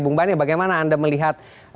bung bani bagaimana anda melihat